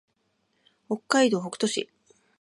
北海道北斗市